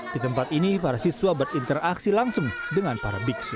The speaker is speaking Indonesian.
di tempat ini para siswa berinteraksi langsung dengan para biksu